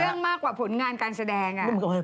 เรื่องมากกว่าผลงานการแสดง